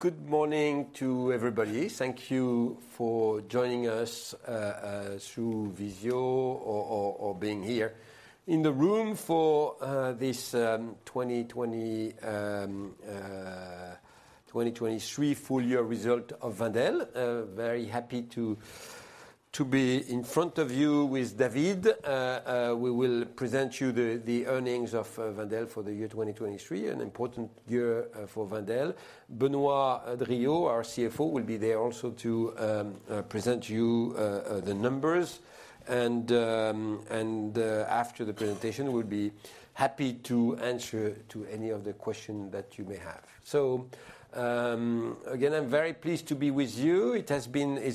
Good morning to everybody. Thank you for joining us through Visio or being here in the room for this 2023 full year result of Wendel. Very happy to be in front of you with David. We will present you the earnings of Wendel for the year 2023, an important year for Wendel. Benoît Drillaud, our CFO, will be there also to present you the numbers. After the presentation, we'll be happy to answer any of the questions that you may have. So again, I'm very pleased to be with you. It's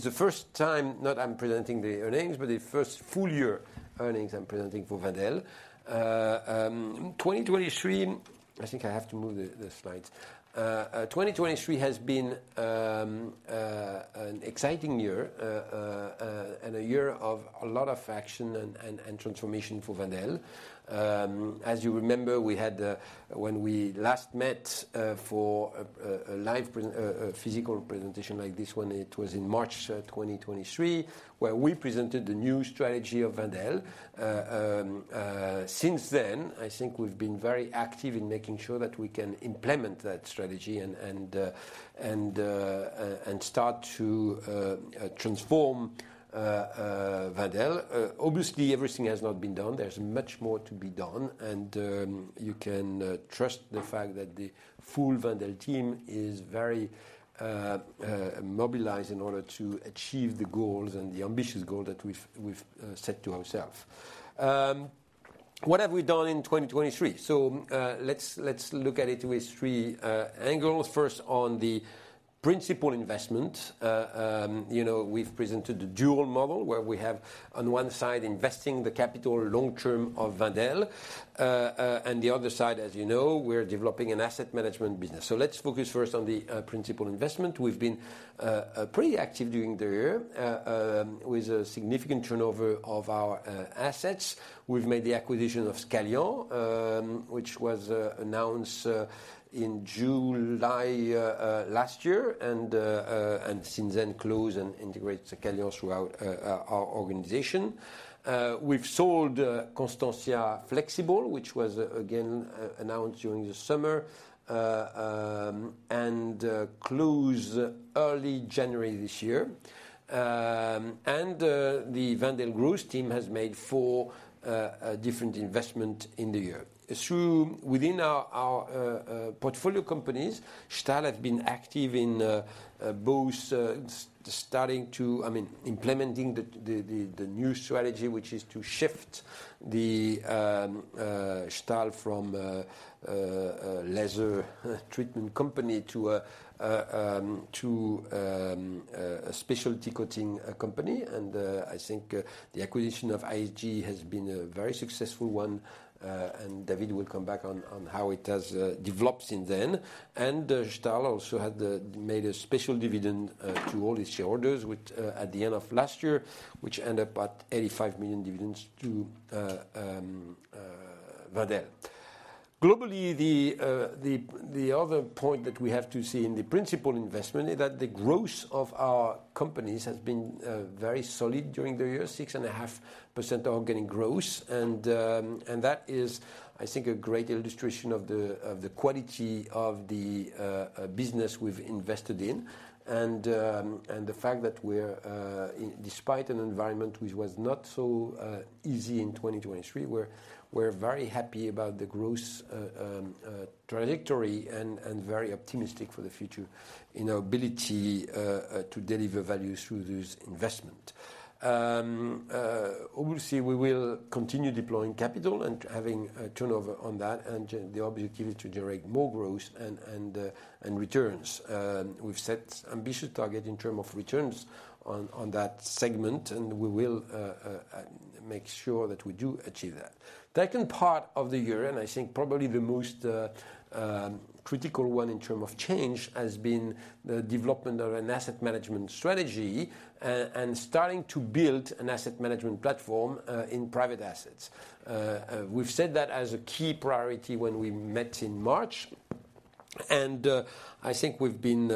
the first time not I'm presenting the earnings, but the first full year earnings I'm presenting for Wendel. 2023 I think I have to move the slides. 2023 has been an exciting year and a year of a lot of action and transformation for Wendel. As you remember, when we last met for a live physical presentation like this one, it was in March 2023, where we presented the new strategy of Wendel. Since then, I think we've been very active in making sure that we can implement that strategy and start to transform Wendel. Obviously, everything has not been done. There's much more to be done. And you can trust the fact that the full Wendel team is very mobilized in order to achieve the goals and the ambitious goal that we've set to ourselves. What have we done in 2023? So let's look at it with three angles. First, on the principal investment, we've presented the dual model, where we have on one side investing the capital long term of Wendel, and the other side, as you know, we're developing an asset management business. So let's focus first on the principal investment. We've been pretty active during the year with a significant turnover of our assets. We've made the acquisition of Scalian, which was announced in July last year and since then closed and integrates Scalian throughout our organization. We've sold Constantia Flexibles, which was again announced during the summer and closed early January this year. And the Wendel Growth team has made four different investments in the year. Within our portfolio companies, Stahl have been active in both starting to I mean, implementing the new strategy, which is to shift the Stahl from a leather treatment company to a specialty coating company. And I think the acquisition of ISG has been a very successful one. And David will come back on how it has developed since then. Stahl also made a special dividend to all its shareholders at the end of last year, which ended up at 85 million dividends to Wendel. Globally, the other point that we have to see in the principal investment is that the growth of our companies has been very solid during the year, 6.5% organic growth. That is, I think, a great illustration of the quality of the business we've invested in and the fact that despite an environment which was not so easy in 2023, we're very happy about the growth trajectory and very optimistic for the future in our ability to deliver value through this investment. Obviously, we will continue deploying capital and having turnover on that and the objective is to generate more growth and returns. We've set ambitious targets in terms of returns on that segment. And we will make sure that we do achieve that. The second part of the year, and I think probably the most critical one in terms of change, has been the development of an asset management strategy and starting to build an asset management platform in private assets. We've set that as a key priority when we met in March. And I think we've been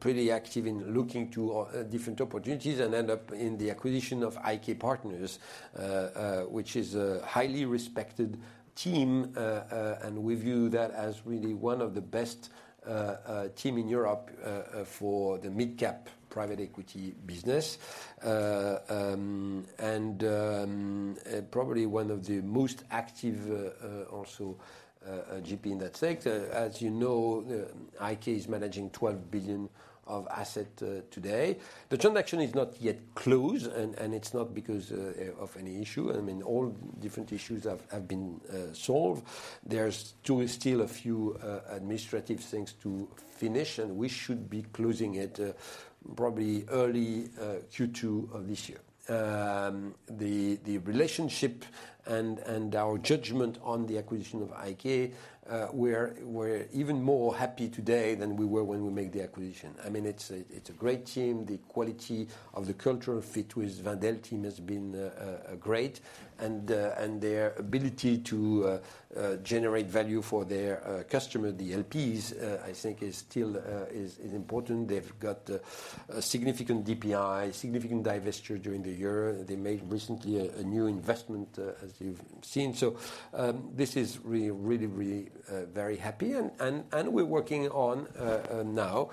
pretty active in looking to different opportunities and ended up in the acquisition of IK Partners, which is a highly respected team. And we view that as really one of the best teams in Europe for the mid-cap private equity business and probably one of the most active also GP in that sector. As you know, IK is managing 12 billion of assets today. The transaction is not yet closed. And it's not because of any issue. I mean, all different issues have been solved. There's still a few administrative things to finish. We should be closing it probably early Q2 of this year. The relationship and our judgment on the acquisition of IK, we're even more happy today than we were when we made the acquisition. I mean, it's a great team. The quality of the cultural fit with Wendel team has been great. Their ability to generate value for their customers, the LPs, I think is still important. They've got significant DPI, significant divestiture during the year. They made recently a new investment, as you've seen. So this is really, really, really very happy. We're working on now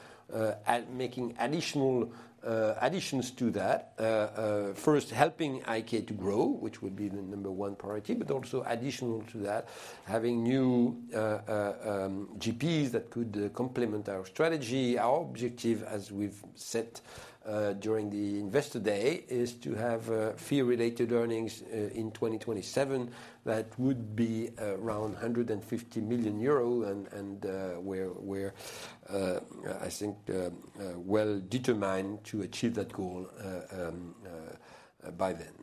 making additions to that. First, helping IK to grow, which would be the number one priority. But also additional to that, having new GPs that could complement our strategy. Our objective, as we've set during the investor day, is to have fee-related earnings in 2027 that would be around 150 million euro and we're, I think, well determined to achieve that goal by then.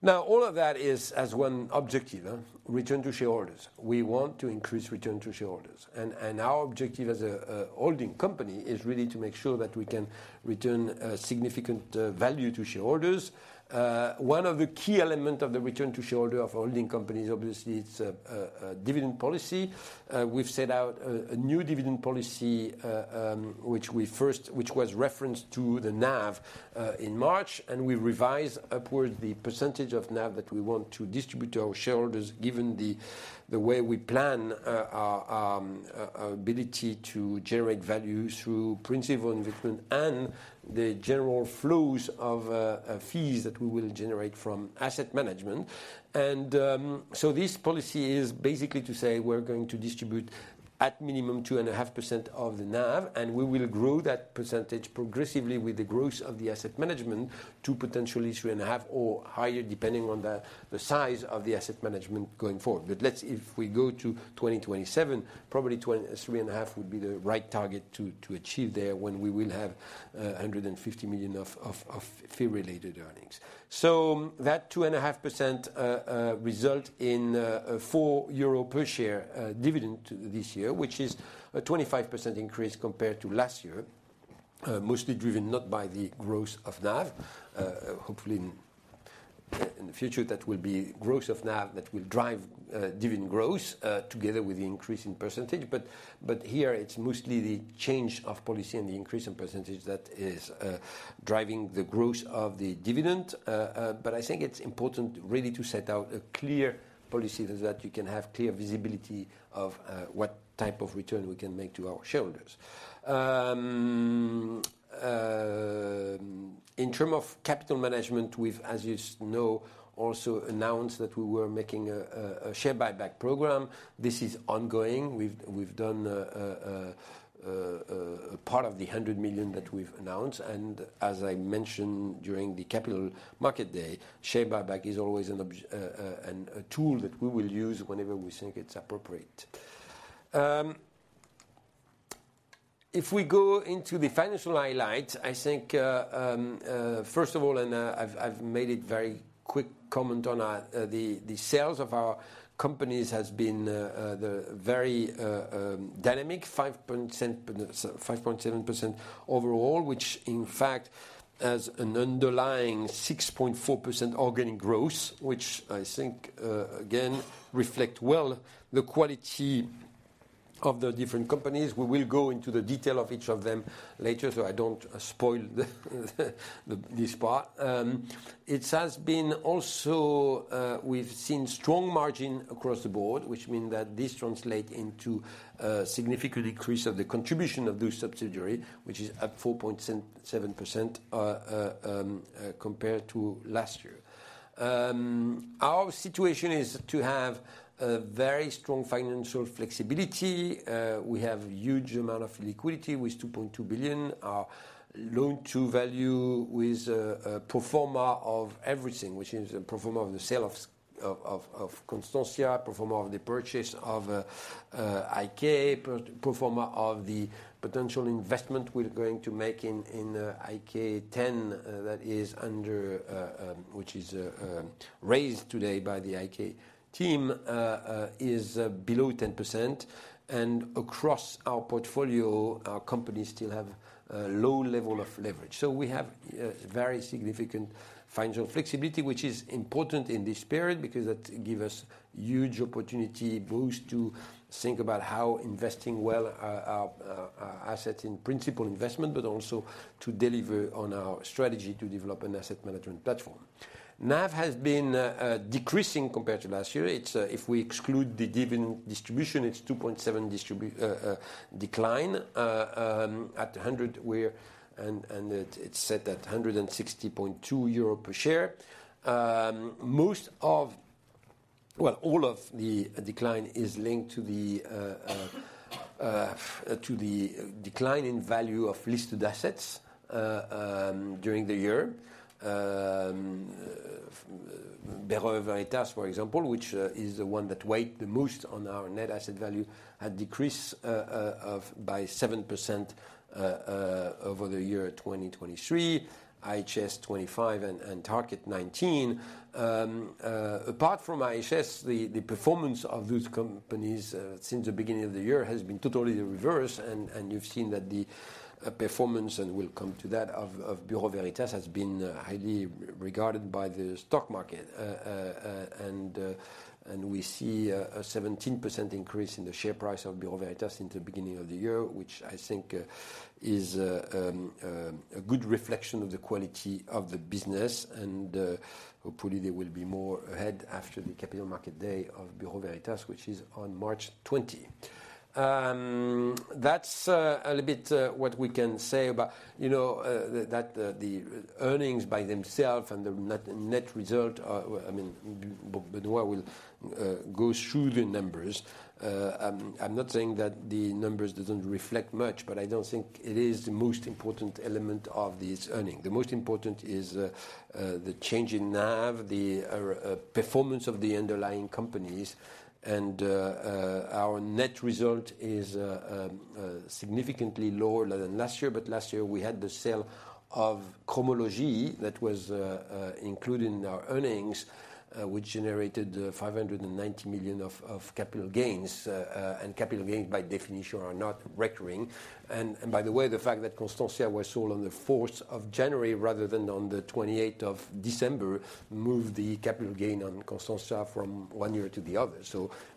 Now, all of that is as one objective, return to shareholders. We want to increase return to shareholders. And our objective as a holding company is really to make sure that we can return significant value to shareholders. One of the key elements of the return to shareholder of holding companies, obviously, it's dividend policy. We've set out a new dividend policy, which was referenced to the NAV in March. And we've revised upwards the percentage of NAV that we want to distribute to our shareholders given the way we plan our ability to generate value through principal investment and the general flows of fees that we will generate from asset management. This policy is basically to say we're going to distribute at minimum 2.5% of the NAV. We will grow that percentage progressively with the growth of the asset management to potentially 3.5% or higher, depending on the size of the asset management going forward. If we go to 2027, probably 3.5% would be the right target to achieve there when we will have 150 million of fee-related earnings. That 2.5% results in a 4 euro per share dividend this year, which is a 25% increase compared to last year, mostly driven not by the growth of NAV. Hopefully, in the future, that will be growth of NAV that will drive dividend growth together with the increase in percentage. Here, it's mostly the change of policy and the increase in percentage that is driving the growth of the dividend. But I think it's important really to set out a clear policy so that you can have clear visibility of what type of return we can make to our shareholders. In terms of capital management, we've, as you know, also announced that we were making a share buyback program. This is ongoing. We've done part of the 100 million that we've announced. And as I mentioned during the capital market day, share buyback is always a tool that we will use whenever we think it's appropriate. If we go into the financial highlights, I think, first of all, and I've made it very quick comment on the sales of our companies has been very dynamic, 5.7% overall, which, in fact, has an underlying 6.4% organic growth, which I think, again, reflects well the quality of the different companies. We will go into the detail of each of them later, so I don't spoil this part. It has been also we've seen strong margin across the board, which means that this translates into a significant increase of the contribution of those subsidiaries, which is up 4.7% compared to last year. Our situation is to have very strong financial flexibility. We have a huge amount of liquidity with 2.2 billion, our loan-to-value with a pro forma of everything, which is a pro forma of the sale of Constantia, pro forma of the purchase of IK, pro forma of the potential investment we're going to make in IK X, which is raised today by the IK team, is below 10%. And across our portfolio, our companies still have a low level of leverage. So we have very significant financial flexibility, which is important in this period because that gives us huge opportunity both to think about how investing well our assets in principal investment, but also to deliver on our strategy to develop an asset management platform. NAV has been decreasing compared to last year. If we exclude the dividend distribution, it's 2.7% decline at 100. And it's set at 160.2 euro per share. Most of, all of the decline is linked to the decline in value of listed assets during the year. Bureau Veritas, for example, which is the one that weighed the most on our net asset value, had a decrease by 7% over the year 2023. IHS 25 and Tarkett 19. Apart from IHS, the performance of those companies since the beginning of the year has been totally the reverse. You've seen that the performance and we'll come to that of Bureau Veritas has been highly regarded by the stock market. We see a 17% increase in the share price of Bureau Veritas since the beginning of the year, which I think is a good reflection of the quality of the business. Hopefully, there will be more ahead after the capital market day of Bureau Veritas, which is on March 20. That's a little bit what we can say about you know that the earnings by themselves and the net result I mean, Benoît will go through the numbers. I'm not saying that the numbers don't reflect much. But I don't think it is the most important element of this earning. The most important is the change in NAV, the performance of the underlying companies. Our net result is significantly lower than last year. But last year, we had the sale of Cromology that was included in our earnings, which generated 590 million of capital gains. Capital gains, by definition, are not recurring. By the way, the fact that Constantia was sold on the 4th of January rather than on the 28th of December moved the capital gain on Constantia from one year to the other.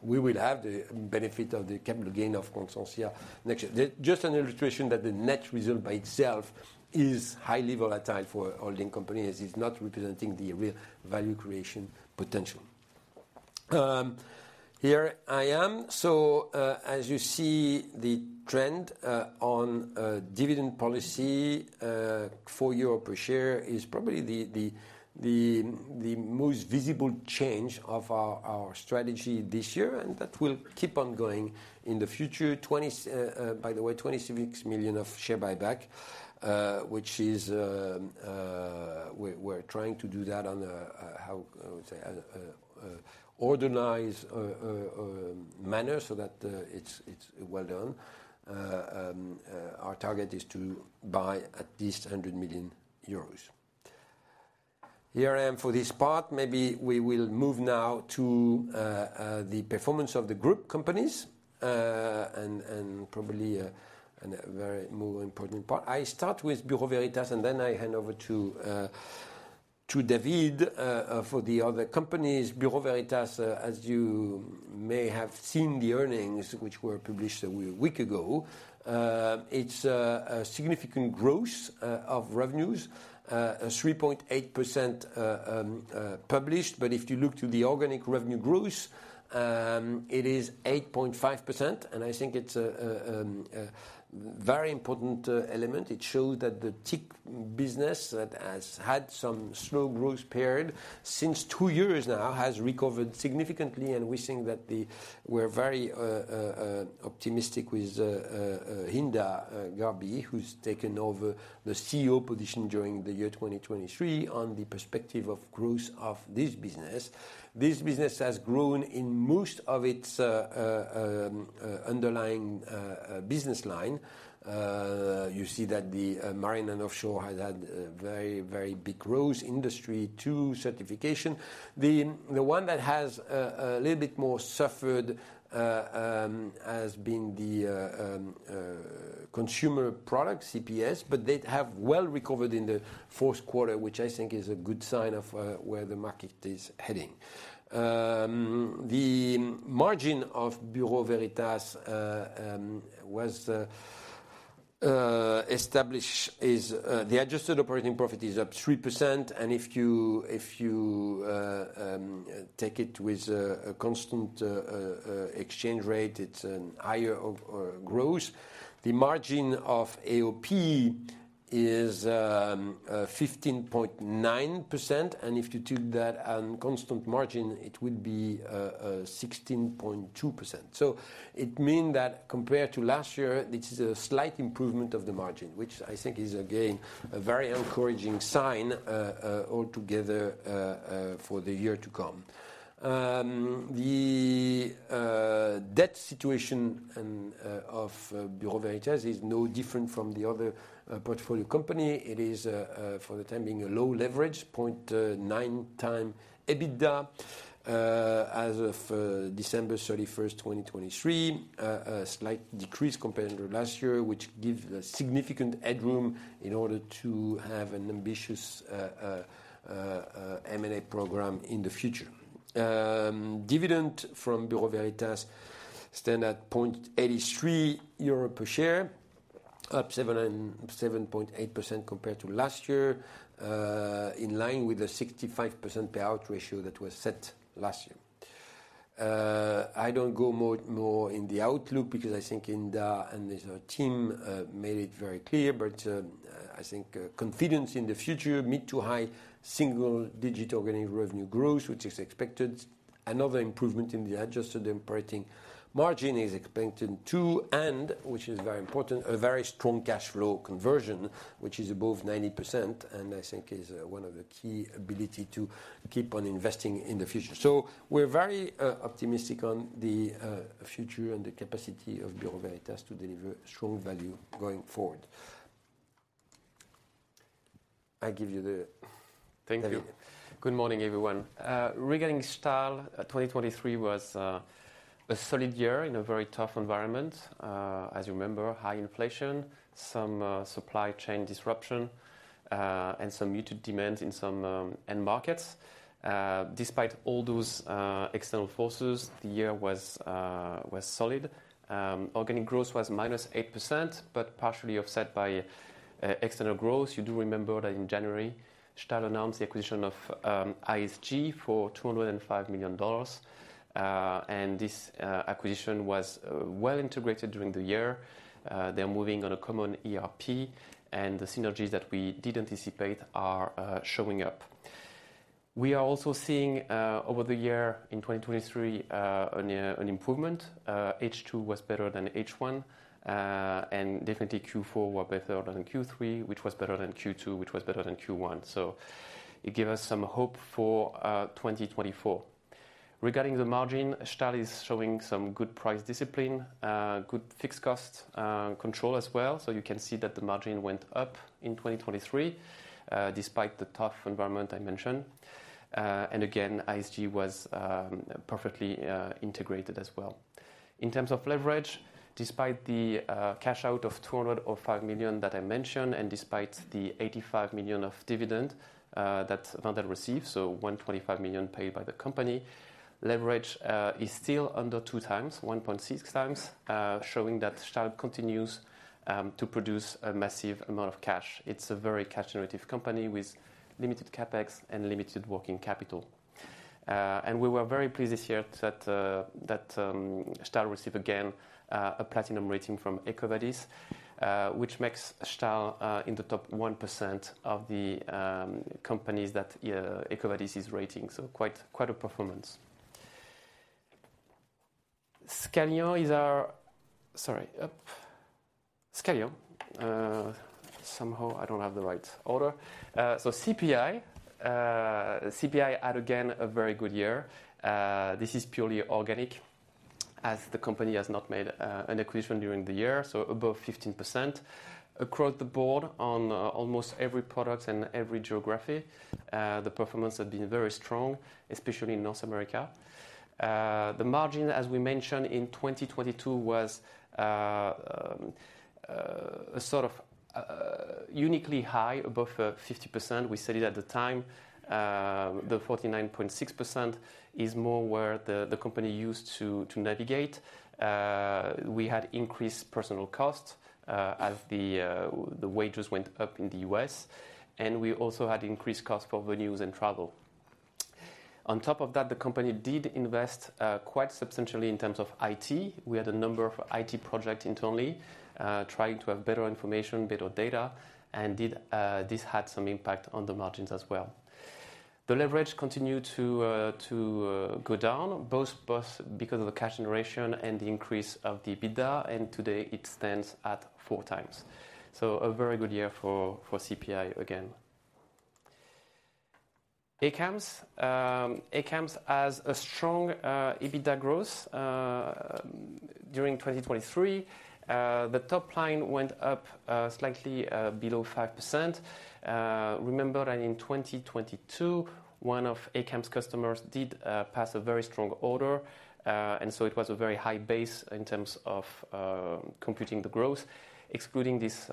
We will have the benefit of the capital gain of Constantia next year. Just an illustration that the net result by itself is highly volatile for holding companies. It's not representing the real value creation potential. Here I am. As you see, the trend on dividend policy 4 euro per share is probably the most visible change of our strategy this year. And that will keep on going in the future. By the way, 26 million of share buyback, which is we're trying to do that on a how I would say, an organized manner so that it's well done. Our target is to buy at least 100 million euros. Here I am for this part. Maybe we will move now to the performance of the group companies and probably a very more important part. I start with Bureau Veritas. Then I hand over to David for the other companies. Bureau Veritas, as you may have seen the earnings, which were published a week ago, it's a significant growth of revenues, 3.8% published. But if you look to the organic revenue growth, it is 8.5%. And I think it's a very important element. It shows that the tech business that has had some slow growth period since two years now has recovered significantly. We think that we're very optimistic with Hinda Gharbi, who's taken over the CEO position during the year 2023 on the perspective of growth of this business. This business has grown in most of its underlying business line. You see that the marine and offshore has had a very, very big growth, industry two certification. The one that has a little bit more suffered has been the consumer product, CPS. But they have well recovered in the fourth quarter, which I think is a good sign of where the market is heading. The margin of Bureau Veritas was established is the adjusted operating profit is up 3%. If you take it with a constant exchange rate, it's a higher growth. The margin of AOP is 15.9%. If you took that on constant margin, it would be 16.2%. So it means that compared to last year, this is a slight improvement of the margin, which I think is, again, a very encouraging sign altogether for the year to come. The debt situation of Bureau Veritas is no different from the other portfolio company. It is, for the time being, a low leverage, 0.9x EBITDA as of December 31st, 2023, a slight decrease compared to last year, which gives significant headroom in order to have an ambitious M&A program in the future. Dividend from Bureau Veritas stands at 0.83 euro per share, up 7.8% compared to last year, in line with the 65% payout ratio that was set last year. I don't go more in the outlook because I think Hinda and his team made it very clear. But I think confidence in the future, mid- to high single-digit organic revenue growth, which is expected, another improvement in the adjusted operating margin is expected too, and, which is very important, a very strong cash flow conversion, which is above 90%. And I think it's one of the key abilities to keep on investing in the future. So we're very optimistic on the future and the capacity of Bureau Veritas to deliver strong value going forward. I give you the. Thank you. Good morning, everyone. Regarding Stahl, 2023 was a solid year in a very tough environment, as you remember, high inflation, some supply chain disruption, and some muted demand in some end markets. Despite all those external forces, the year was solid. Organic growth was -8%, but partially offset by external growth. You do remember that in January, Stahl announced the acquisition of ISG for $205 million. This acquisition was well integrated during the year. They're moving on a common ERP. The synergies that we did anticipate are showing up. We are also seeing over the year in 2023 an improvement. H2 was better than H1. Definitely, Q4 were better than Q3, which was better than Q2, which was better than Q1. It gave us some hope for 2024. Regarding the margin, Stahl is showing some good price discipline, good fixed cost control as well. You can see that the margin went up in 2023 despite the tough environment I mentioned. Again, ISG was perfectly integrated as well. In terms of leverage, despite the cash out of 205 million that I mentioned and despite the 85 million of dividend that Wendel received, so 125 million paid by the company, leverage is still under 2x, 1.6x, showing that Stahl continues to produce a massive amount of cash. It's a very cash-generative company with limited CapEx and limited working capital. And we were very pleased this year that Stahl received again a platinum rating from EcoVadis, which makes Stahl in the top 1% of the companies that EcoVadis is rating. So quite a performance. Scalian is our sorry. Scalian. Somehow, I don't have the right order. So CPI had, again, a very good year. This is purely organic, as the company has not made an acquisition during the year, so above 15%. Across the board, on almost every product and every geography, the performance has been very strong, especially in North America. The margin, as we mentioned, in 2022 was sort of uniquely high, above 50%. We said it at the time. The 49.6% is more where the company used to navigate. We had increased personal costs as the wages went up in the U.S. And we also had increased costs for venues and travel. On top of that, the company did invest quite substantially in terms of IT. We had a number of IT projects internally trying to have better information, better data. And this had some impact on the margins as well. The leverage continued to go down, both because of the cash generation and the increase of the EBITDA. And today, it stands at 4x. So a very good year for CPI, again. Accounts. ACAMS has a strong EBITDA growth during 2023. The top line went up slightly below 5%. Remember that in 2022, one of ACAMS' customers did pass a very strong order. And so it was a very high base in terms of computing the growth. Excluding this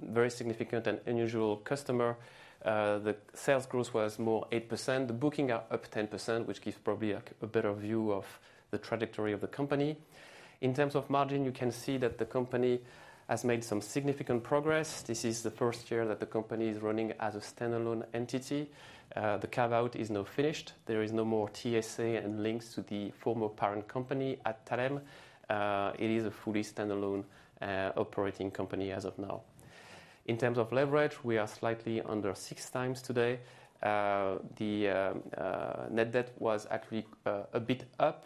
very significant and unusual customer, the sales growth was more 8%. The bookings are up 10%, which gives probably a better view of the trajectory of the company. In terms of margin, you can see that the company has made some significant progress. This is the first year that the company is running as a standalone entity. The carve-out is now finished. There is no more TSA and links to the former parent company Adtalem. It is a fully standalone operating company as of now. In terms of leverage, we are slightly under 6x today. The net debt was actually a bit up.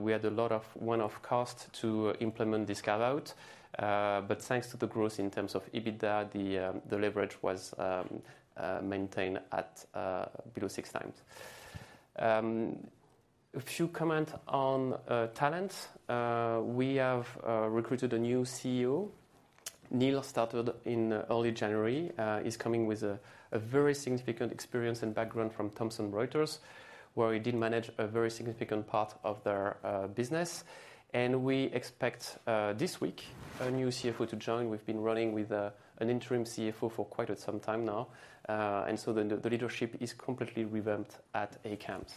We had a lot of one-off costs to implement this carve-out. But thanks to the growth in terms of EBITDA, the leverage was maintained at below 6x. A few comments on talent. We have recruited a new CEO. Neil started in early January. He's coming with a very significant experience and background from Thomson Reuters, where he did manage a very significant part of their business. And we expect this week a new CFO to join. We've been running with an interim CFO for quite some time now. And so the leadership is completely revamped at ACAMS.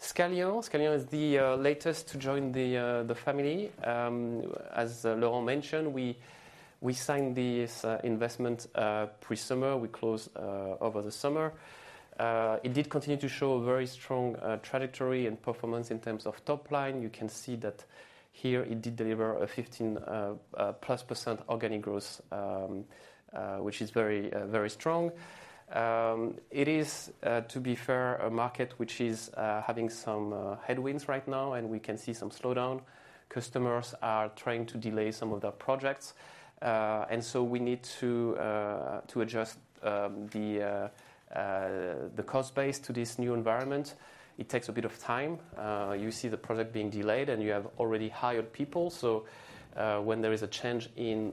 Scalian. Scalian is the latest to join the family. As Laurent mentioned, we signed this investment pre-summer. We closed over the summer. It did continue to show a very strong trajectory and performance in terms of top line. You can see that here, it did deliver a 15%+ organic growth, which is very, very strong. It is, to be fair, a market which is having some headwinds right now. We can see some slowdown. Customers are trying to delay some of their projects. So we need to adjust the cost base to this new environment. It takes a bit of time. You see the project being delayed. You have already hired people. When there is a change in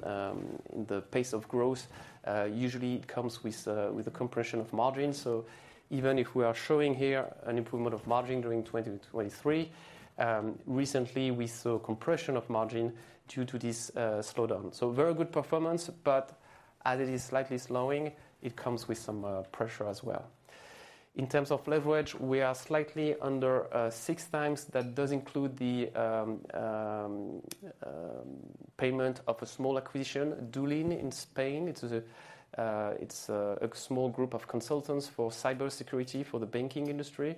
the pace of growth, usually, it comes with a compression of margins. Even if we are showing here an improvement of margin during 2023, recently, we saw compression of margin due to this slowdown. Very good performance. But as it is slightly slowing, it comes with some pressure as well. In terms of leverage, we are slightly under 6x. That does include the payment of a small acquisition, Uncertain in Spain. It's a small group of consultants for cybersecurity for the banking industry,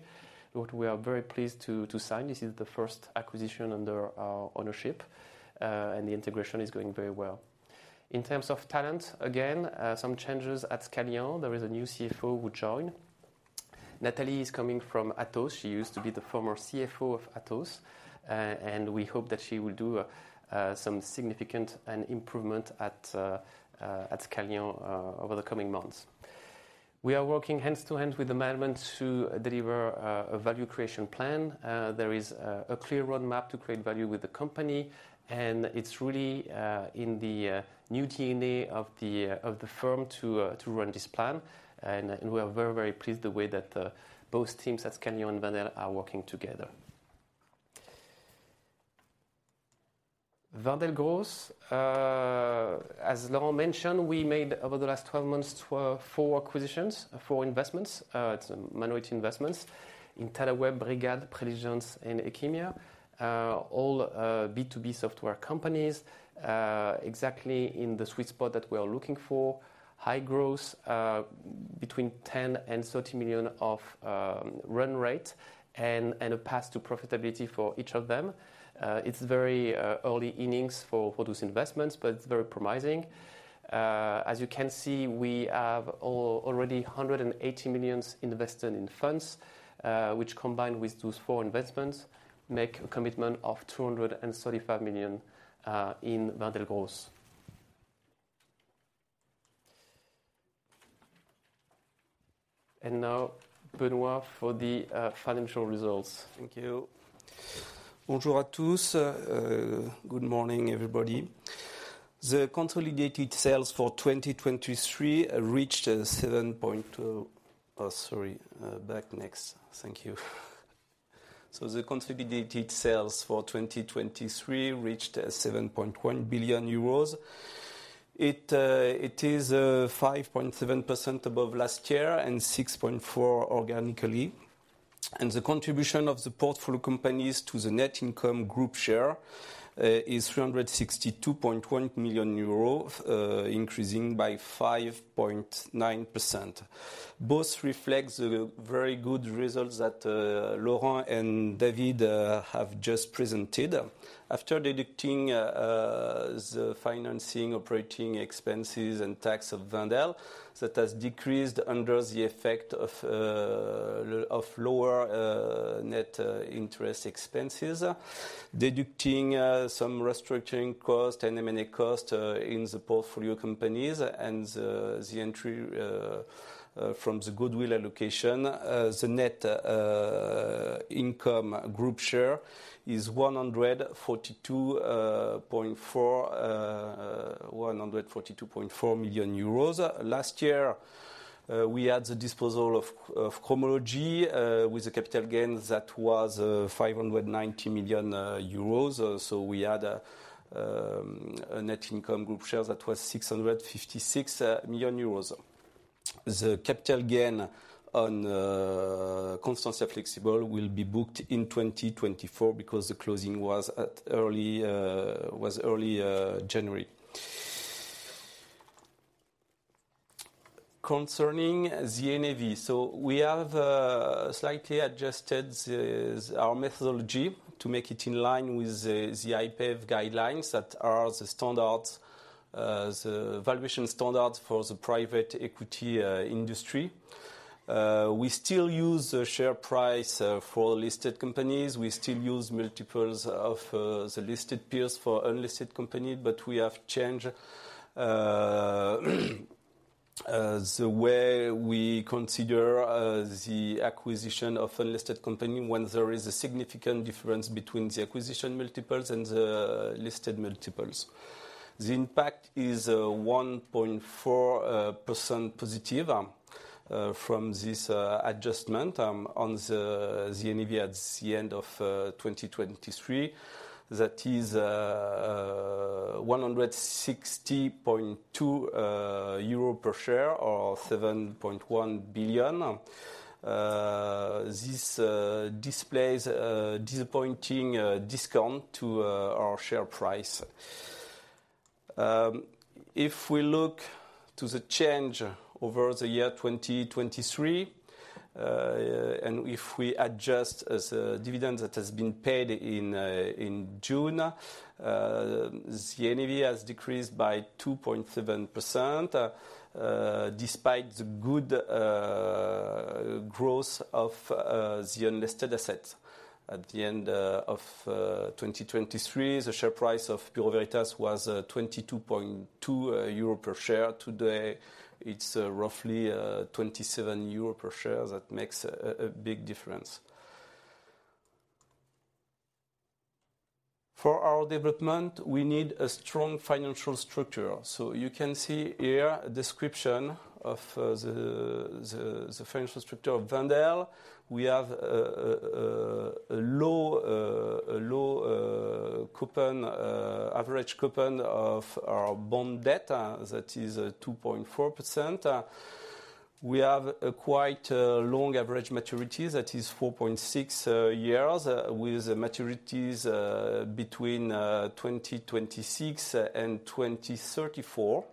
which we are very pleased to sign. This is the first acquisition under our ownership. The integration is going very well. In terms of talent, again, some changes at Scalian. There is a new CFO who joined. Nathalie is coming from Atos. She used to be the former CFO of Atos. We hope that she will do some significant improvement at Scalian over the coming months. We are working hand in hand with the management to deliver a value creation plan. There is a clear roadmap to create value with the company. It's really in the new DNA of the firm to run this plan. We are very, very pleased the way that both teams at Scalian and Wendel are working together. Wendel Growth. As Laurent mentioned, we made, over the last 12 months, four acquisitions, four investments. It's minority investments in Tadaweb, Brigad, Preligens, and Aqemia, all B2B software companies, exactly in the sweet spot that we are looking for, high growth, between 10 million and 30 million of run rate, and a path to profitability for each of them. It's very early innings for those investments. But it's very promising. As you can see, we have already 180 million invested in funds, which, combined with those four investments, make a commitment of 235 million in Wendel Growth. And now, Benoît, for the financial results. Thank you. Bonjour à tous. Good morning, everybody. The consolidated sales for 2023 reached 7.1 billion euros. It is 5.7% above last year and 6.4% organically. The contribution of the portfolio companies to the net income group share is 362.1 million euros, increasing by 5.9%. Both reflect the very good results that Laurent and David have just presented. After deducting the financing, operating expenses, and tax of Wendel, that has decreased under the effect of lower net interest expenses, deducting some restructuring cost and M&A cost in the portfolio companies and the entry from the goodwill allocation, the net income group share is 142.4 million euros. Last year, we had the disposal of Cromology with a capital gain that was 590 million euros. So we had a net income group share that was 656 million euros. The capital gain on Constantia Flexibles will be booked in 2024 because the closing was early January. Concerning the NAV, so we have slightly adjusted our methodology to make it in line with the IPEV guidelines that are the valuation standards for the private equity industry. We still use the share price for the listed companies. We still use multiples of the listed peers for unlisted companies. But we have changed the way we consider the acquisition of unlisted companies when there is a significant difference between the acquisition multiples and the listed multiples. The impact is 1.4% positive from this adjustment on the NAV at the end of 2023. That is 160.2 euro per share or 7.1 billion. This displays a disappointing discount to our share price. If we look to the change over the year 2023 and if we adjust the dividend that has been paid in June, the NAV has decreased by 2.7% despite the good growth of the unlisted assets. At the end of 2023, the share price of Bureau Veritas was 22.2 euro per share. Today, it's roughly 27 euro per share. That makes a big difference. For our development, we need a strong financial structure. So you can see here a description of the financial structure of Wendel. We have a low average coupon of our bond debt that is 2.4%. We have a quite long average maturity that is 4.6 years with maturities between 2026 and 2034.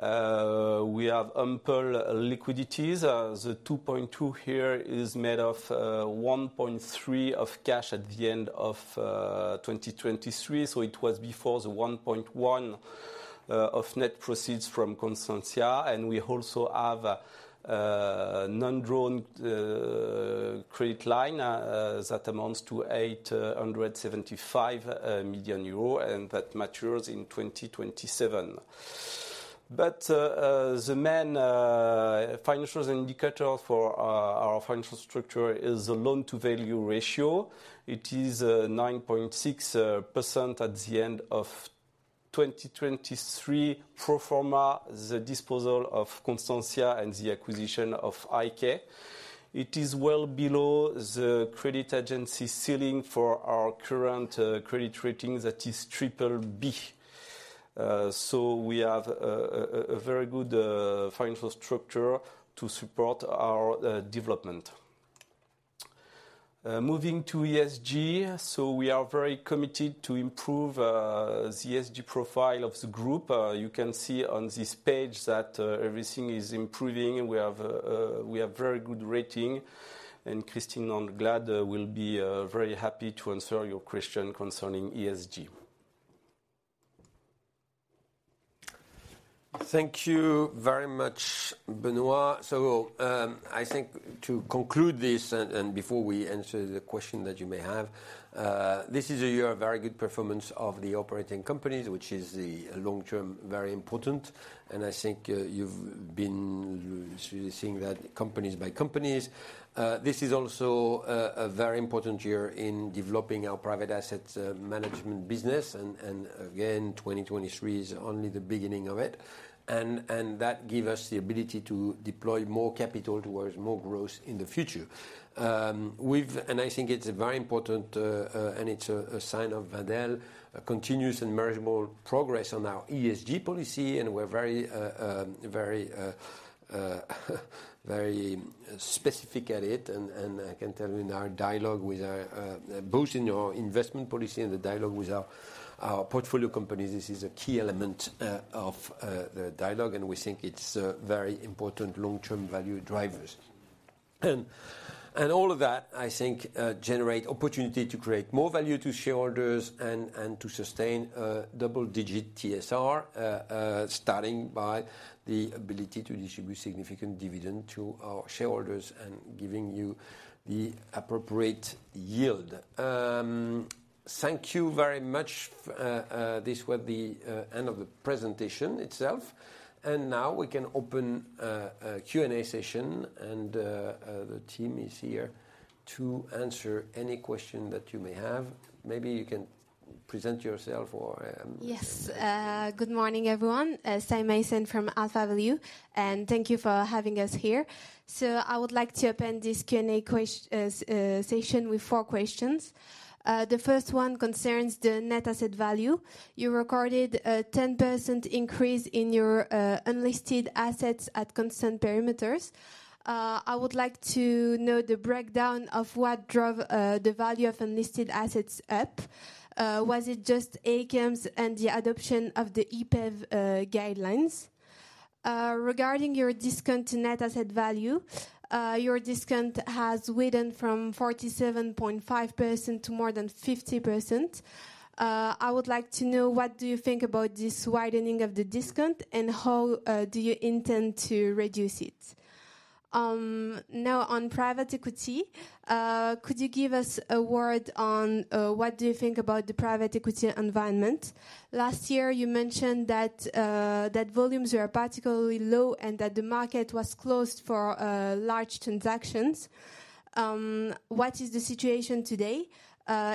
We have ample liquidities. The 2.2 here is made of 1.3% of cash at the end of 2023. So it was before the 1.1% of net proceeds from Constantia. And we also have a non-drawn credit line that amounts to 875 million euros. And that matures in 2027. But the main financial indicator for our financial structure is the loan-to-value ratio. It is 9.6% at the end of 2023, pro forma the disposal of Constantia and the acquisition of IK. It is well below the credit agency ceiling for our current credit rating that is triple B. So we have a very good financial structure to support our development. Moving to ESG. So we are very committed to improve the ESG profile of the group. You can see on this page that everything is improving. We have a very good rating. And Christine Anglade will be very happy to answer your question concerning ESG. Thank you very much, Benoît. So I think to conclude this and before we answer the question that you may have, this is a year, a very good performance of the operating companies, which is long-term very important. And I think you've been seeing that companies by companies. This is also a very important year in developing our private assets management business. And again, 2023 is only the beginning of it. And that gives us the ability to deploy more capital towards more growth in the future. And I think it's very important. And it's a sign of Wendel, continuous and manageable progress on our ESG policy. And we're very, very specific at it. And I can tell you in our dialogue with both in our investment policy and the dialogue with our portfolio companies, this is a key element of the dialogue. And we think it's very important long-term value drivers. And all of that, I think, generate opportunity to create more value to shareholders and to sustain a double-digit TSR, starting by the ability to distribute significant dividend to our shareholders and giving you the appropriate yield. Thank you very much. This was the end of the presentation itself. Now, we can open a Q&A session. The team is here to answer any question that you may have. Maybe you can present yourself or. Yes. Good morning, everyone. Simen Aas from AlphaValue. Thank you for having us here. I would like to open this Q&A session with four questions. The first one concerns the net asset value. You recorded a 10% increase in your unlisted assets at Constant Perimeters. I would like to know the breakdown of what drove the value of unlisted assets up. Was it just ACAMS and the adoption of the IPEV guidelines? Regarding your discount to net asset value, your discount has withered from 47.5% to more than 50%. I would like to know, what do you think about this widening of the discount? And how do you intend to reduce it? Now, on private equity, could you give us a word on what do you think about the private equity environment? Last year, you mentioned that volumes were particularly low and that the market was closed for large transactions. What is the situation today?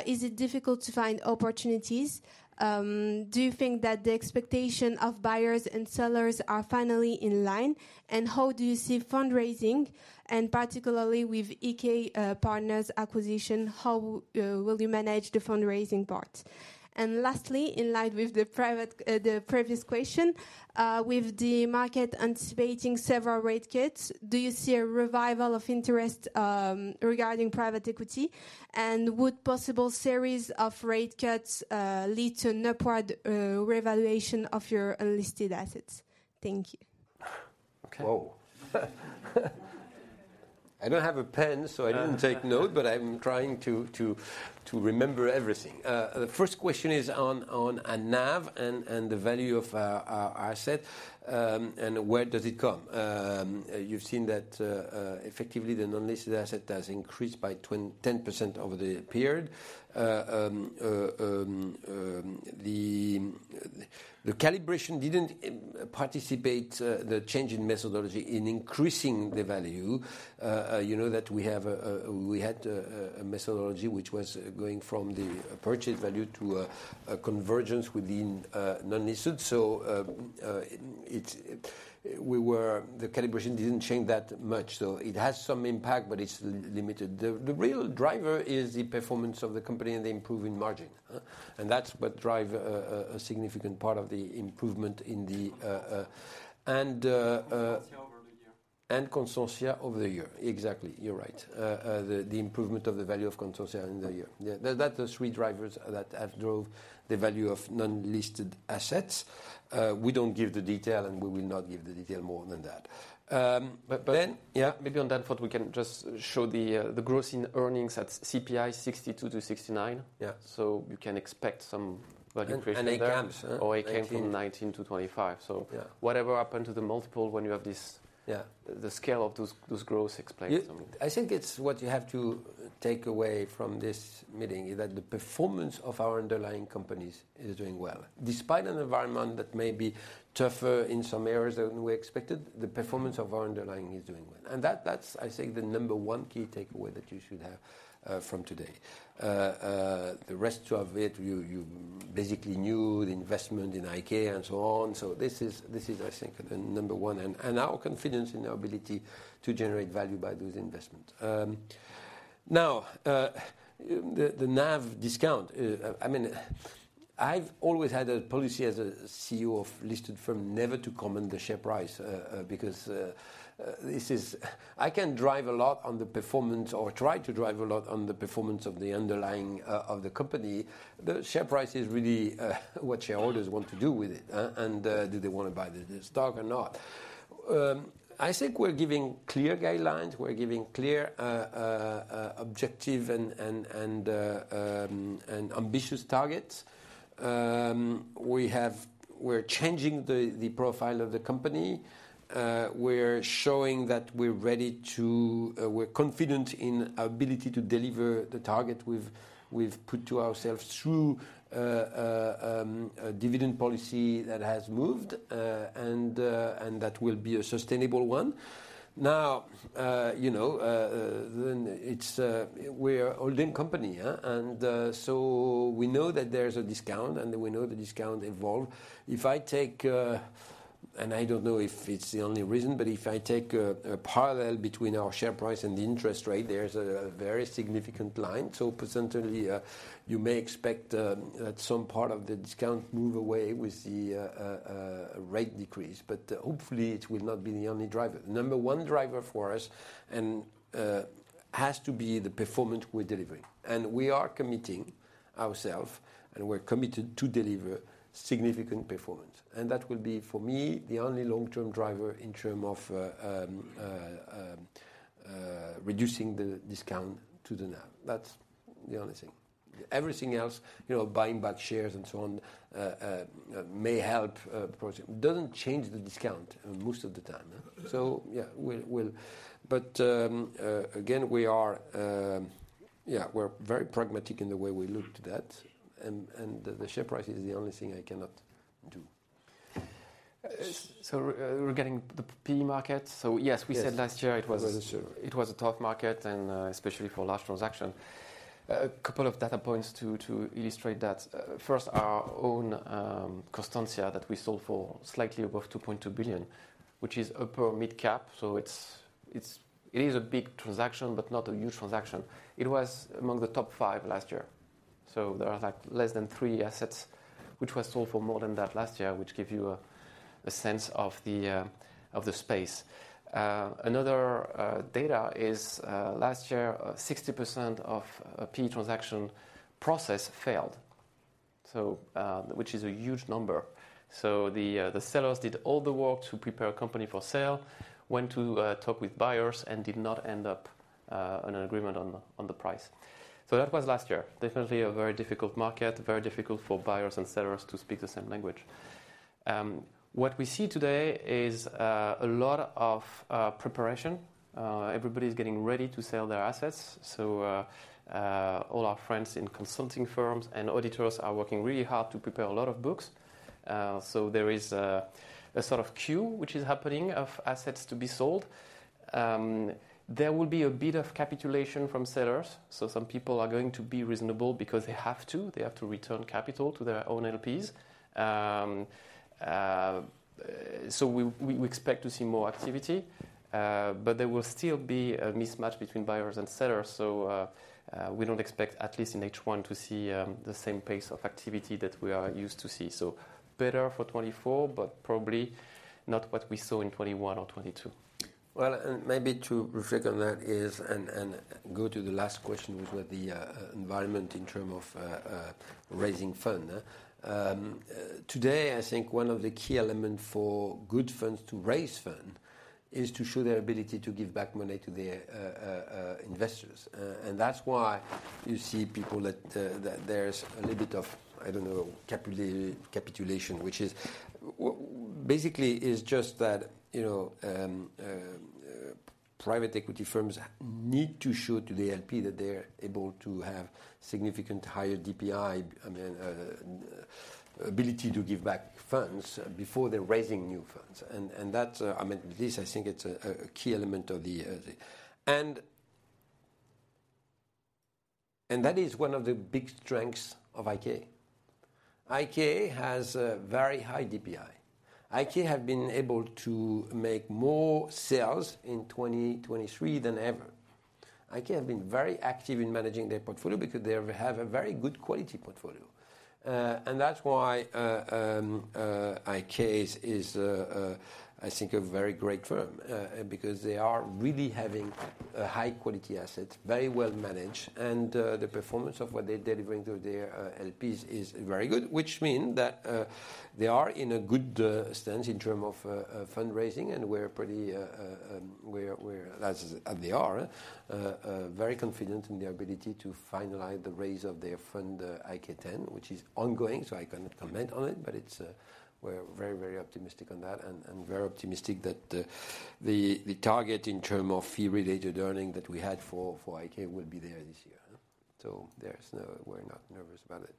Is it difficult to find opportunities? Do you think that the expectation of buyers and sellers are finally in line? And how do you see fundraising? And particularly with IK Partners acquisition, how will you manage the fundraising part? And lastly, in light with the previous question, with the market anticipating several rate cuts, do you see a revival of interest regarding private equity? And would possible series of rate cuts lead to an upward revaluation of your unlisted assets? Thank you. Whoa. I don't have a pen, so I didn't take note. But I'm trying to remember everything. The first question is on a NAV and the value of our asset. Where does it come? You've seen that, effectively, the nonlisted asset has increased by 10% over the period. The calibration didn't participate, the change in methodology, in increasing the value. You know that we had a methodology which was going from the purchase value to a convergence within nonlisted. The calibration didn't change that much. It has some impact, but it's limited. The real driver is the performance of the company and the improving margin. That's what drives a significant part of the improvement in the and Constantia over the year. And Constantia over the year. Exactly. You're right. The improvement of the value of Constantia in the year. That's the three drivers that drove the value of nonlisted assets. We don't give the detail. And we will not give the detail more than that. But then, yeah, maybe on that front, we can just show the growth in earnings at CPI $62-$69. So you can expect some value creation there. And ACAMS from $19-$25. So whatever happened to the multiple when you have this the scale of those growths explains something. I think it's what you have to take away from this meeting is that the performance of our underlying companies is doing well. Despite an environment that may be tougher in some areas than we expected, the performance of our underlying is doing well. And that's, I think, the number one key takeaway that you should have from today. The rest of it, you basically knew the investment in IK and so on. So this is, I think, the number one and our confidence in our ability to generate value by those investments. Now, the NAV discount, I mean, I've always had a policy as a CEO of listed firm never to comment the share price because this is I can drive a lot on the performance or try to drive a lot on the performance of the underlying of the company. The share price is really what shareholders want to do with it. And do they want to buy the stock or not? I think we're giving clear guidelines. We're giving clear, objective, and ambitious targets. We're changing the profile of the company. We're showing that we're ready to we're confident in our ability to deliver the target we've put to ourselves through a dividend policy that has moved and that will be a sustainable one. Now, you know, then it's we're a holding company. And so we know that there's a discount. And we know the discount evolves. If I take and I don't know if it's the only reason. But if I take a parallel between our share price and the interest rate, there's a very significant line. So potentially, you may expect that some part of the discount move away with the rate decrease. But hopefully, it will not be the only driver. The number one driver for us has to be the performance we're delivering. And we are committing ourselves. And we're committed to deliver significant performance. And that will be, for me, the only long-term driver in terms of reducing the discount to the NAV. That's the only thing. Everything else, buying back shares and so on, may help, but it doesn't change the discount most of the time. So yeah, but again, we are very pragmatic in the way we look to that. And the share price is the only thing I cannot do. So we're getting the PE market. So yes, we said last year, it was a tough market, especially for large transactions. A couple of data points to illustrate that. First, our own Constantia that we sold for slightly above 2.2 billion, which is upper mid-cap. So it is a big transaction, but not a huge transaction. It was among the top five last year. So there are like less than three assets which were sold for more than that last year, which give you a sense of the space. Another data is last year, 60% of PE transaction process failed, which is a huge number. So the sellers did all the work to prepare a company for sale, went to talk with buyers, and did not end up on an agreement on the price. So that was last year. Definitely a very difficult market, very difficult for buyers and sellers to speak the same language. What we see today is a lot of preparation. Everybody is getting ready to sell their assets. So all our friends in consulting firms and auditors are working really hard to prepare a lot of books. So there is a sort of queue, which is happening, of assets to be sold. There will be a bit of capitulation from sellers. So some people are going to be reasonable because they have to. They have to return capital to their own LPs. So we expect to see more activity. But there will still be a mismatch between buyers and sellers. So we don't expect, at least in H1, to see the same pace of activity that we are used to see. So better for 2024, but probably not what we saw in 2021 or 2022. Well, and maybe to reflect on that is and go to the last question, which was the environment in terms of raising fund. Today, I think one of the key elements for good funds to raise fund is to show their ability to give back money to their investors. And that's why you see people that there's a little bit of, I don't know, capitulation, which is basically is just that private equity firms need to show to the LP that they're able to have significant higher DPI, I mean, ability to give back funds before they're raising new funds. This, I think, it's a key element of the and that is one of the big strengths of IK. IK has very high DPI. IK have been able to make more sales in 2023 than ever. IK have been very active in managing their portfolio because they have a very good quality portfolio. And that's why IK is, I think, a very great firm because they are really having high-quality assets, very well managed. And the performance of what they're delivering through their LPs is very good, which means that they are in a good stance in terms of fundraising. And we're pretty that's as they are, very confident in their ability to finalize the raise of their fund IK X, which is ongoing. So I cannot comment on it. But we're very, very optimistic on that and very optimistic that the target in terms of fee-related earning that we had for IK will be there this year. So we're not nervous about it.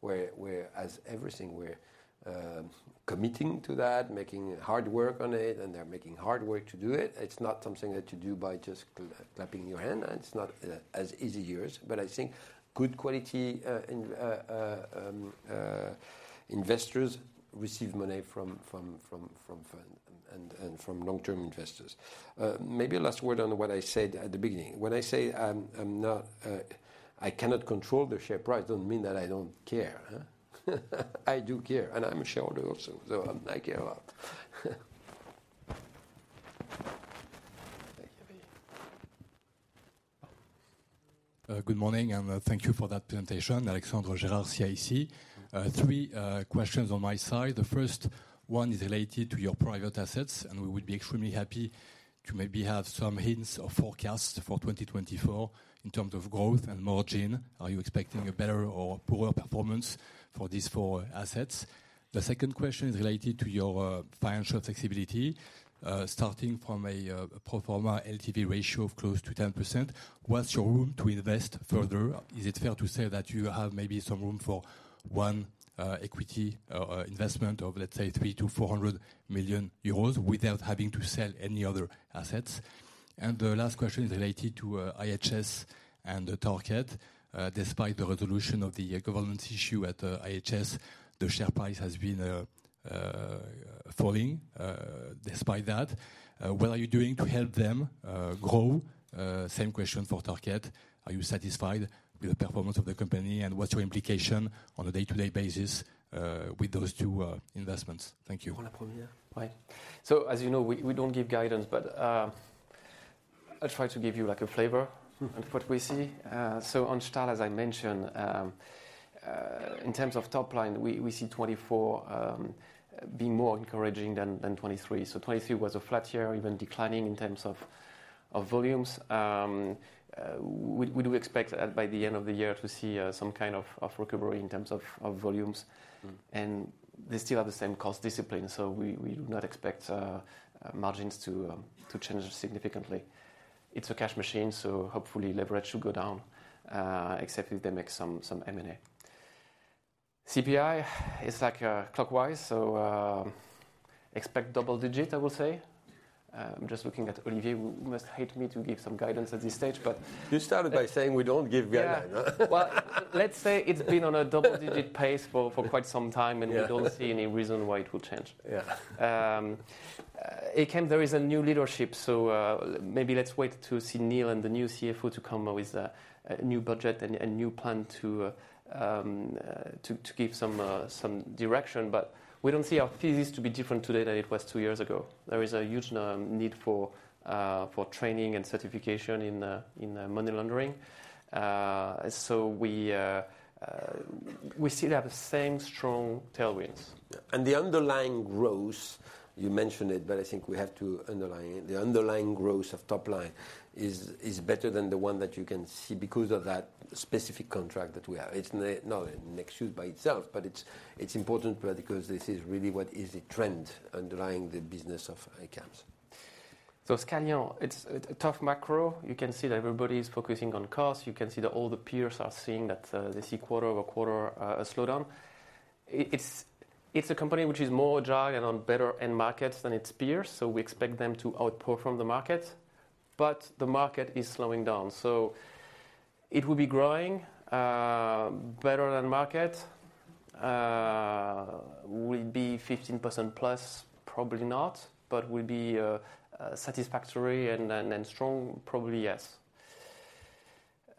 Whereas everything, we're committing to that, making hard work on it. And they're making hard work to do it. It's not something that you do by just clapping your hand. And it's not as easy as yours. But I think good-quality investors receive money from funds and from long-term investors. Maybe a last word on what I said at the beginning. When I say I cannot control the share price, it doesn't mean that I don't care. I do care. And I'm a shareholder also. So I care a lot. Good morning. And thank you for that presentation. Alexandre Gérard, CIC. Three questions on my side. The first one is related to your private assets. We would be extremely happy to maybe have some hints or forecasts for 2024 in terms of growth and margin. Are you expecting a better or poorer performance for these four assets? The second question is related to your financial flexibility. Starting from a pro forma LTV ratio of close to 10%, what's your room to invest further? Is it fair to say that you have maybe some room for one equity investment of, let's say, 300 million-400 million euros without having to sell any other assets? And the last question is related to IHS and Tarkett. Despite the resolution of the governance issue at IHS, the share price has been falling despite that. What are you doing to help them grow? Same question for Tarkett. Are you satisfied with the performance of the company? And what's your implication on a day-to-day basis with those two investments? Thank you. Pour la première? Oui. So as you know, we don't give guidance. But I'll try to give you a flavor of what we see. So on STAR, as I mentioned, in terms of top line, we see 2024 being more encouraging than 2023. So 2023 was a flat year, even declining in terms of volumes. We do expect that by the end of the year to see some kind of recovery in terms of volumes. And they still have the same cost discipline. So we do not expect margins to change significantly. It's a cash machine. So hopefully, leverage should go down, except if they make some M&A. CPI is clockwise. So expect double digit, I will say. I'm just looking at Olivier. You must hate me to give some guidance at this stage. But. You started by saying, (INV)"We don't give guidance." Well, let's say it's been on a double-digit pace for quite some time. And we don't see any reason why it will change. There is a new leadership. So maybe let's wait to see Neil and the new CFO to come with a new budget and a new plan to give some direction. But we don't see our thesis to be different today than it was two years ago. There is a huge need for training and certification in money laundering. So we still have the same strong tailwinds. And the underlying growth, you mentioned it. But I think we have to underline it. The underlying growth of top line is better than the one that you can see because of that specific contract that we have. It's not an excuse by itself. But it's important because this is really what is the trend underlying the business of ACAMS. So Scalian, it's a tough macro. You can see that everybody is focusing on costs. You can see that all the peers are seeing that they see quarter-over-quarter a slowdown. It's a company which is more dry and on better end markets than its peers. So we expect them to outperform the market. But the market is slowing down. So it will be growing, better than market. Will it be 15%+? Probably not. But will it be satisfactory and strong? Probably yes.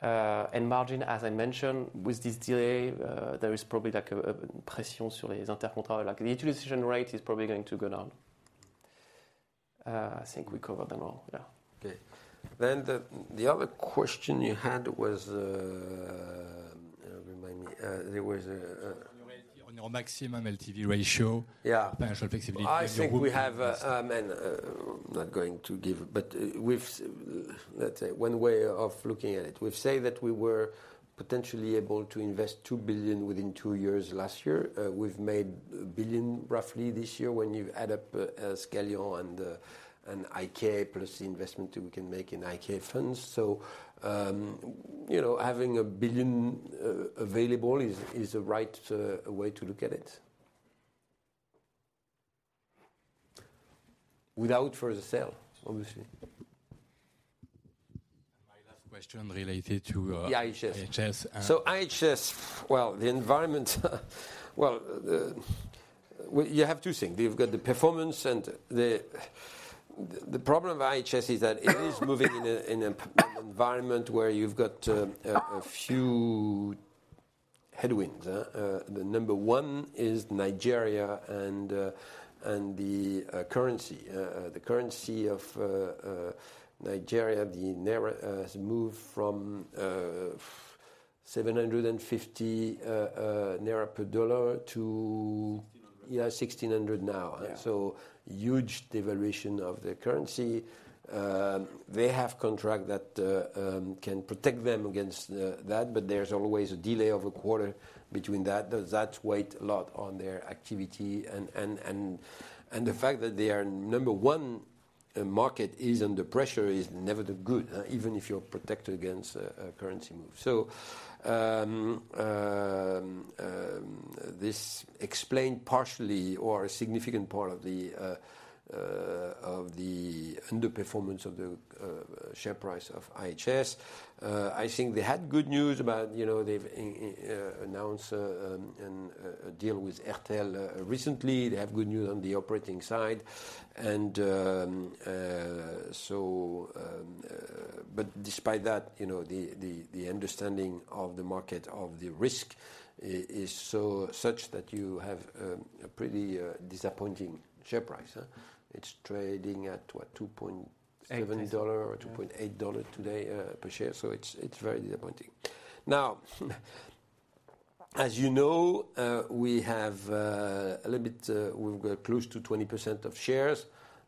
And margin, as I mentioned, with this delay, there is probably pressure on the intercontract. The utilization rate is probably going to go down. I think we covered them all. Yeah. Okay. Then the other question you had was remind me. There was a. On your maximum LTV ratio, financial flexibility. I think we have. I'm not going to give but let's say one way of looking at it. We've said that we were potentially able to invest 2 billion within two years last year. We've made 1 billion, roughly, this year when you add up Scalian and IK plus the investment we can make in IK funds. So having 1 billion available is the right way to look at it without further sale, obviously. And my last question related to. The IHS. So IHS, well, the environment well, you have two things. You've got the performance. And the problem with IHS is that it is moving in an environment where you've got a few headwinds. The number one is Nigeria and the currency. The currency of Nigeria, the NGN has moved from 750 naira per dollar to 1,600. Yeah, 1,600 now. So huge devaluation of the currency. They have contracts that can protect them against that. But there's always a delay of a quarter between that. That's weighed a lot on their activity. And the fact that they are number one market is under pressure is never good, even if you're protected against a currency move. So this explained partially or a significant part of the underperformance of the share price of IHS. I think they had good news about they've announced a deal with Airtel recently. They have good news on the operating side. But despite that, the understanding of the market of the risk is such that you have a pretty disappointing share price. It's trading at, what, $2.7-$2.8 today per share. So it's very disappointing. Now, as you know, we have a little bit we've got close to 20% of shares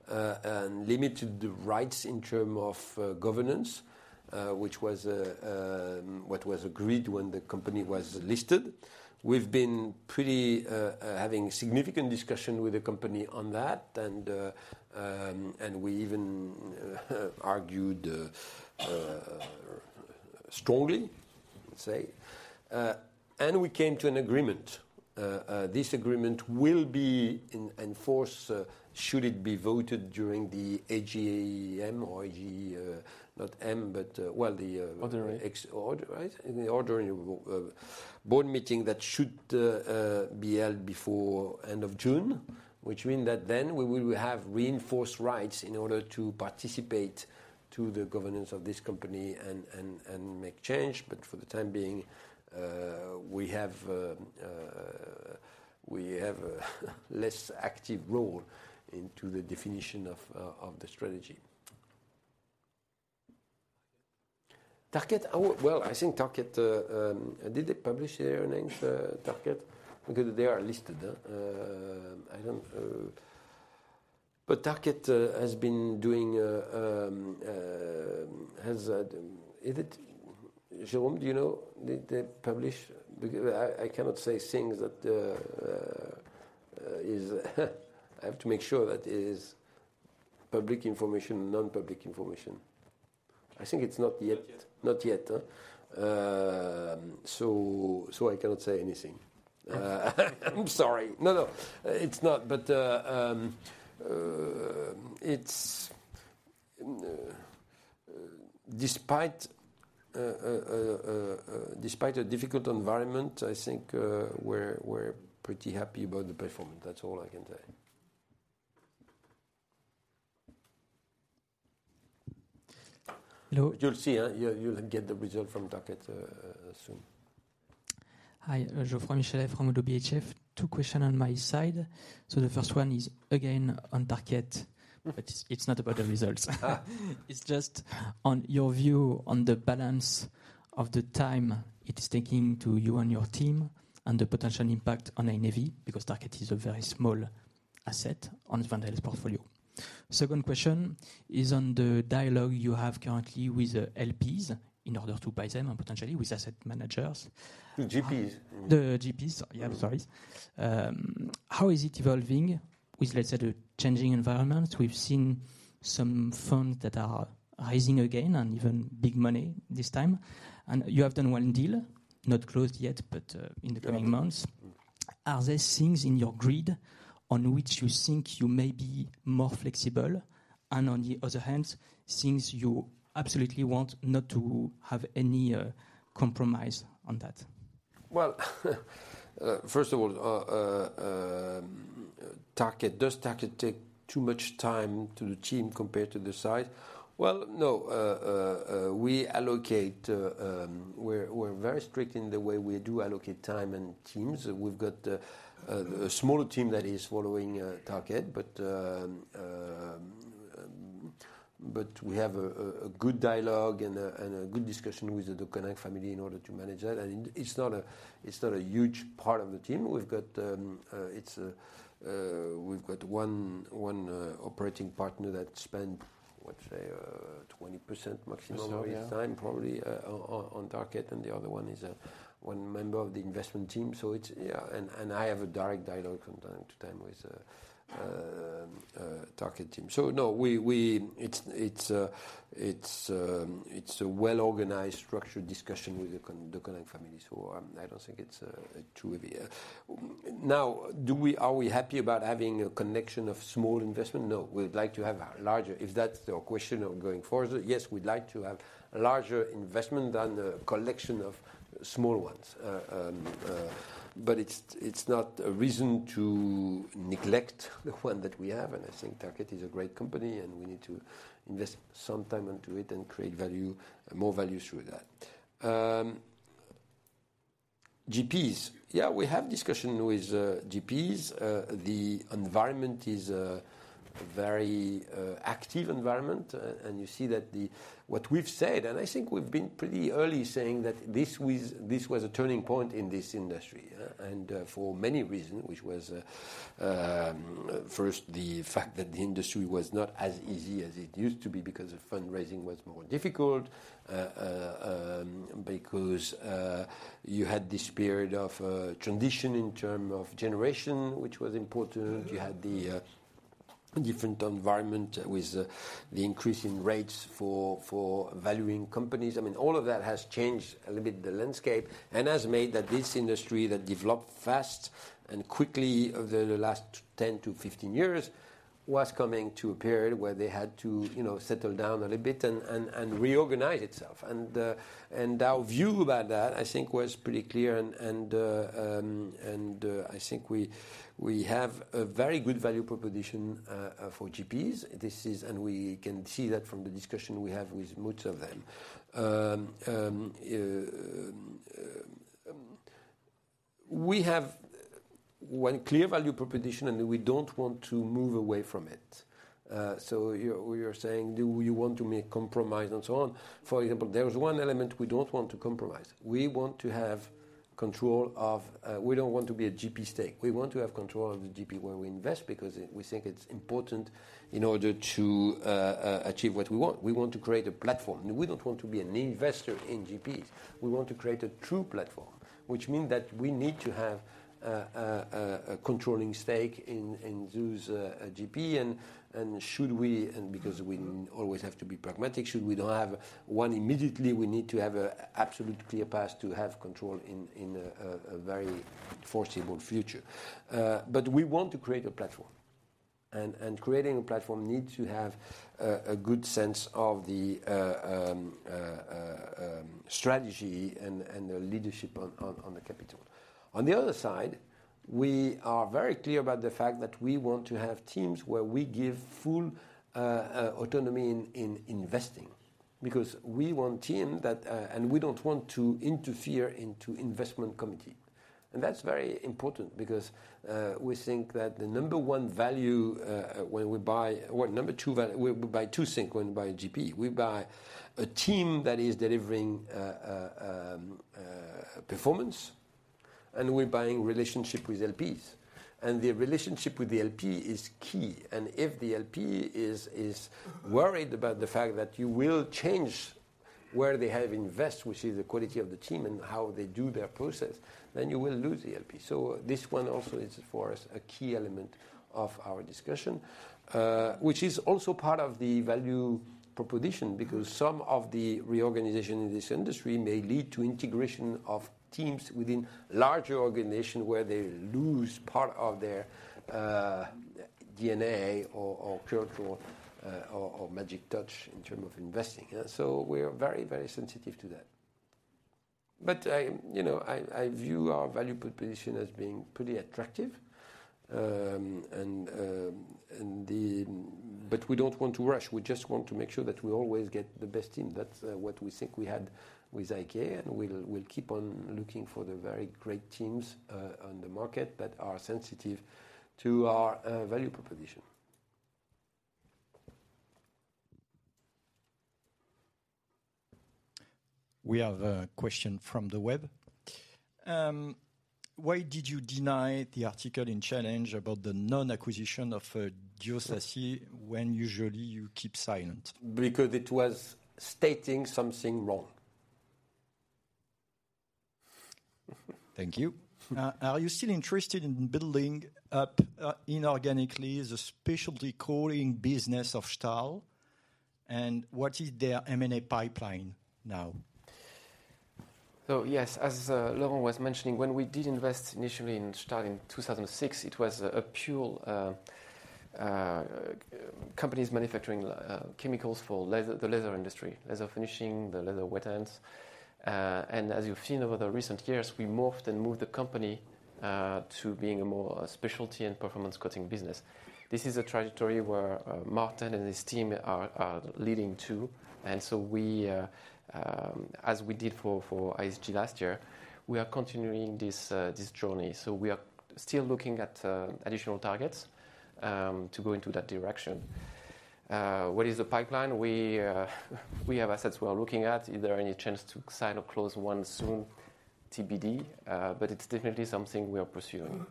and limited rights in terms of governance, which was what was agreed when the company was listed. We've been having significant discussion with the company on that. We even argued strongly, I'd say. We came to an agreement. This agreement will be enforced should it be voted during the AGM or AGM not M, but. Well, the ordinary board meeting that should be held before end of June, which means that then we will have reinforced rights in order to participate to the governance of this company and make change. But for the time being, we have a less active role into the definition of the strategy. Tarkett? Well, I think Tarkett did they publish their names, Tarkett? Because they are listed. Tarkett has been doing is it? Jérôme, do you know? Did they publish? I cannot say things that is I have to make sure that it is public information, non-public information. I think it's not yet. Not yet. So I cannot say anything. I'm sorry. No, no. It's not. Despite a difficult environment, I think we're pretty happy about the performance. That's all I can say. Hello. You'll see. You'll get the result from Tarkett soon. Hi. Geoffroy Michalet, from ODDO BHF. Two questions on my side. So the first one is, again, on Tarkett. But it's not about the results. It's just on your view on the balance of the time it is taking to you and your team and the potential impact on NAV because Tarkett is a very small asset on Wendel's portfolio. Second question is on the dialogue you have currently with LPs in order to buy them and potentially with asset managers. The GPs, you mean? The GPs. Yeah, sorry. How is it evolving with, let's say, the changing environment? We've seen some funds that are rising again and even big money this time. And you have done one deal, not closed yet, but in the coming months. Are there things in your grid on which you think you may be more flexible and, on the other hand, things you absolutely want not to have any compromise on that? Well, first of all, does Tarkett take too much time to the team compared to the side? Well, no. We allocate, we're very strict in the way we do allocate time and teams. We've got a smaller team that is following Tarkett. But we have a good dialogue and a good discussion with the Deconinck family in order to manage that. And it's not a huge part of the team. We've got one operating partner that spends, what say, 20% maximum of his time, probably, on Tarkett. And the other one is one member of the investment team. Yeah. And I have a direct dialogue from time to time with the Tarkett team. So no, it's a well-organized, structured discussion with the Deconinck family. So I don't think it's too heavy. Now, are we happy about having a collection of small investments? No. We'd like to have a larger if that's your question of going forward, yes, we'd like to have a larger investment than a collection of small ones. But it's not a reason to neglect the one that we have. And I think Tarkett is a great company. We need to invest some time into it and create more value through that. GPs, yeah, we have discussion with GPs. The environment is a very active environment. You see that what we've said and I think we've been pretty early saying that this was a turning point in this industry for many reasons, which was, first, the fact that the industry was not as easy as it used to be because the fundraising was more difficult, because you had this period of transition in terms of generation, which was important. You had the different environment with the increase in rates for valuing companies. I mean, all of that has changed a little bit the landscape and has made that this industry that developed fast and quickly over the last 10-15 years was coming to a period where they had to settle down a little bit and reorganize itself. And our view about that, I think, was pretty clear. And I think we have a very good value proposition for GPs. And we can see that from the discussion we have with most of them. We have one clear value proposition. And we don't want to move away from it. So you're saying, "Do you want to make compromise?" and so on. For example, there's one element we don't want to compromise. We want to have control of we don't want to be a GP stake. We want to have control of the GP where we invest because we think it's important in order to achieve what we want. We want to create a platform. We don't want to be an investor in GPs. We want to create a true platform, which means that we need to have a controlling stake in those GPs. Because we always have to be pragmatic, should we don't have one immediately, we need to have an absolute clear path to have control in a very foreseeable future. But we want to create a platform. Creating a platform needs to have a good sense of the strategy and the leadership on the capital. On the other side, we are very clear about the fact that we want to have teams where we give full autonomy in investing because we want teams that and we don't want to interfere in the investment committee. And that's very important because we think that the number one value when we buy well, number two value we buy two things when we buy a GP. We buy a team that is delivering performance. And we're buying relationship with LPs. And the relationship with the LP is key. And if the LP is worried about the fact that you will change where they have invested, which is the quality of the team and how they do their process, then you will lose the LP. So this one also is, for us, a key element of our discussion, which is also part of the value proposition because some of the reorganization in this industry may lead to integration of teams within larger organizations where they lose part of their DNA or cultural or magic touch in terms of investing. So we're very, very sensitive to that. But I view our value proposition as being pretty attractive. But we don't want to rush. We just want to make sure that we always get the best team. That's what we think we had with IK. And we'll keep on looking for the very great teams on the market that are sensitive to our value proposition. We have a question from the web. Why did you deny the article in Challenges about the non-acquisition of Diot-Siaci when usually you keep silent? Because it was stating something wrong. Thank you. Are you still interested in building up inorganically the specialty coating business of Stahl? And what is their M&A pipeline now? So yes, as Laurent was mentioning, when we did invest initially in Stahl in 2006, it was a pure company manufacturing chemicals for the leather industry, leather finishing, the leather wet ends. And as you've seen over the recent years, we morphed and moved the company to being a more specialty and performance coating business. This is a trajectory where Maarten and his team are leading too. And so as we did for ISG last year, we are continuing this journey. So we are still looking at additional targets to go into that direction. What is the pipeline? We have assets we are looking at. Is there any chance to sign or close one soon? TBD. But it's definitely something we are pursuing.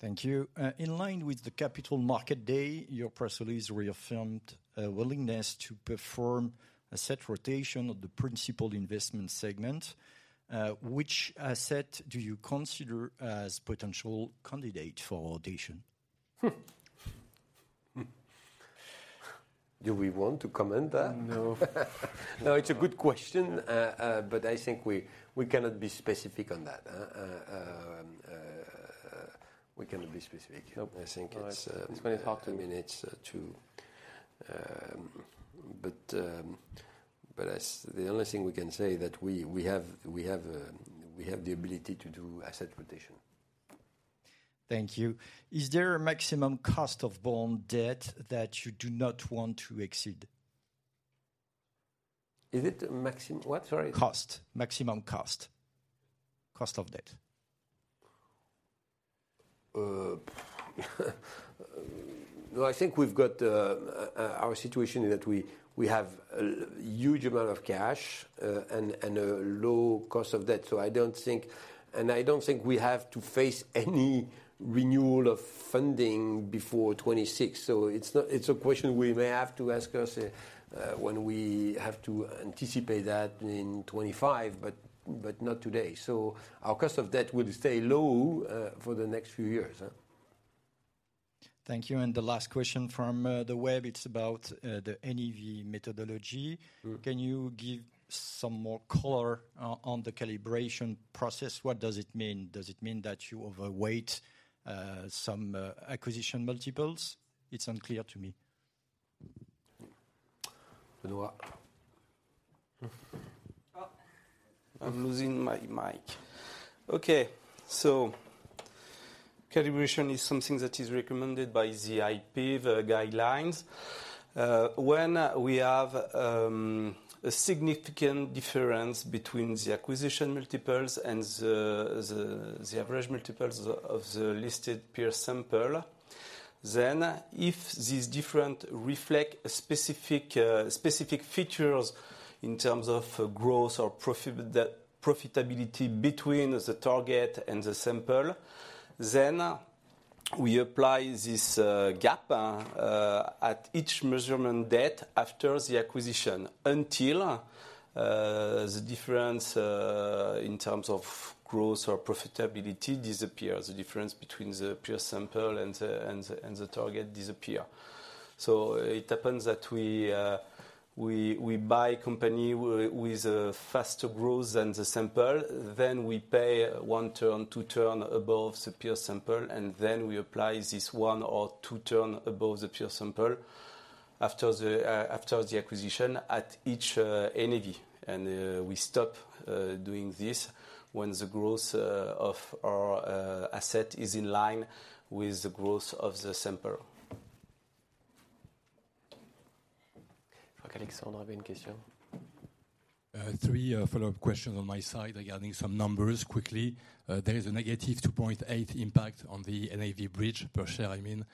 Thank you. In line with the Capital Market Day, your press release reaffirmed willingness to perform a set rotation of the principal investment segment. Which asset do you consider as a potential candidate for rotation? Do we want to comment that? No. No, it's a good question. But I think we cannot be specific on that. We cannot be specific. The only thing we can say is that we have the ability to do asset rotation. Thank you. Is there a maximum cost of bond debt that you do not want to exceed? Is it a maximum what, sorry? Cost. Maximum cost. Cost of debt. No, I think we've got our situation is that we have a huge amount of cash and a low cost of debt. So I don't think and I don't think we have to face any renewal of funding before 2026. So it's a question we may have to ask ourselves when we have to anticipate that in 2025 but not today. So our cost of debt will stay low for the next few years. Thank you. And the last question from the web. It's about the NAV methodology. Can you give some more color on the calibration process? What does it mean? Does it mean that you overweight some acquisition multiples? It's unclear to me. Benoît. I'm losing my mic. Okay. So calibration is something that is recommended by the IPEV guidelines when we have a significant difference between the acquisition multiples and the average multiples of the listed peer sample. Then if these differences reflect specific features in terms of growth or profitability between the target and the sample, then we apply this gap at each measurement date after the acquisition until the difference in terms of growth or profitability disappears, the difference between the peer sample and the target disappears. So it happens that we buy a company with faster growth than the sample. Then we pay one turn, two turns above the peer sample. And then we apply this one or two turns above the peer sample after the acquisition at each NAV. And we stop doing this when the growth of our asset is in line with the growth of the sample. Je crois qu'Alexandre avait une question. Three follow-up questions on my side regarding some numbers quickly. There is a -2.8 impact on the NAV bridge per share, I mean.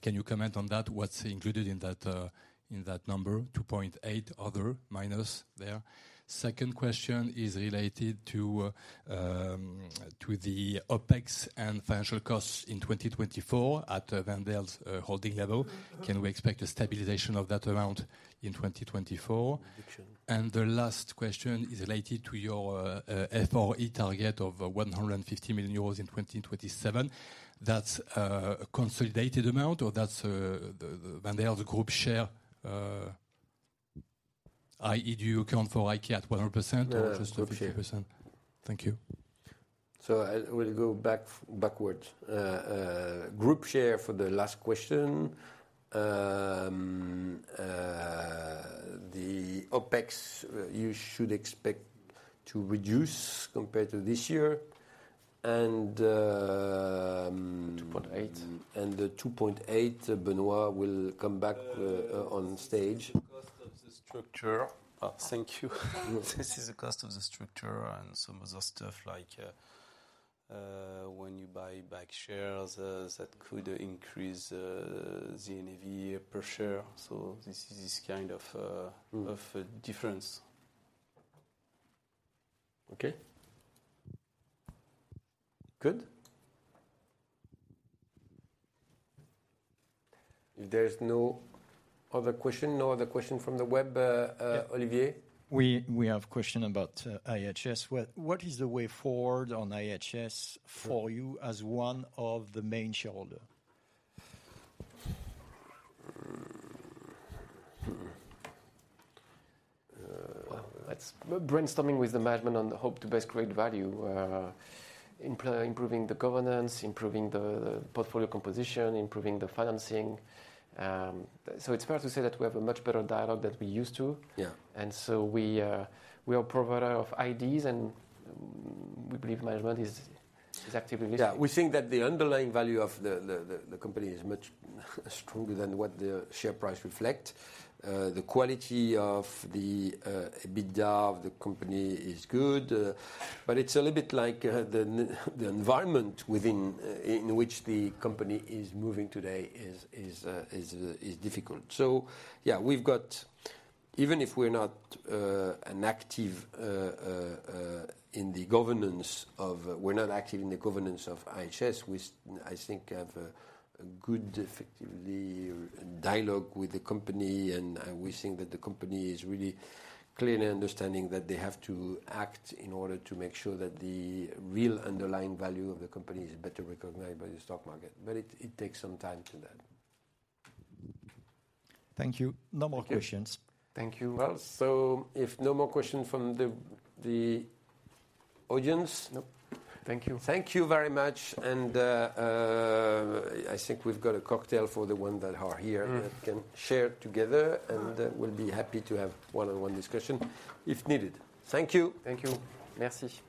Can you comment on that? What's included in that number, 2.8 other minus there? Second question is related to the OpEx and financial costs in 2024 at Wendel's holding level. Can we expect a stabilization of that amount in 2024? And the last question is related to your FRE target of 150 million in 2027. That's a consolidated amount, or that's Wendel's group share? i.e., do you account for IK at 100% or just 50%? Per share. Thank you. So I will go backwards. Group share for the last question. The OpEx, you should expect to reduce compared to this year. And. 2.8. And the 2.8, Benoît will come back on stage. The cost of the structure. Thank you. This is the cost of the structure and some other stuff like when you buy back shares that could increase the NAV per share. So this is this kind of difference. Okay. Good. If there's no other question, no other question from the web, Olivier? We have a question about IHS. What is the way forward on IHS for you as one of the main shareholders? Well, it's brainstorming with the management on the how to best create value, improving the governance, improving the portfolio composition, improving the financing. So it's fair to say that we have a much better dialogue than we used to. And so we are a provider of ideas. And we believe management is actively listening. Yeah. We think that the underlying value of the company is much stronger than what the share price reflects. The quality of the EBITDA of the company is good. But it's a little bit like the environment in which the company is moving today is difficult. So yeah, we've got, even if we're not active in the governance of IHS, I think we have a good, effectively, dialogue with the company. And we think that the company is really clearly understanding that they have to act in order to make sure that the real underlying value of the company is better recognized by the stock market. But it takes some time to that. Thank you. No more questions. Thank you. Well, so if no more questions from the audience. Nope. Thank you. Thank you very much. And I think we've got a cocktail for the ones that are here that can share together. And we'll be happy to have one-on-one discussion if needed. Thank you. Thank you. Merci.